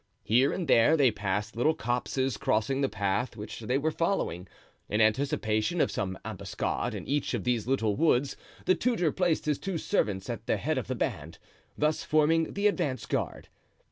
Here and there they passed little copses crossing the path which they were following. In anticipation of some ambuscade in each of these little woods the tutor placed his two servants at the head of the band, thus forming the advance guard.